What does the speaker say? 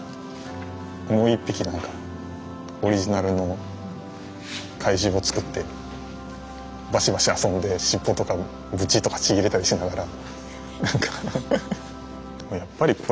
もう一匹何かオリジナルの怪獣を作ってバシバシ遊んで尻尾とかブチッとかちぎれたりとかしながら。